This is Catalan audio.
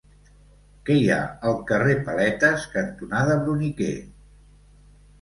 Què hi ha al carrer Paletes cantonada Bruniquer?